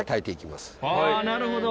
なるほど。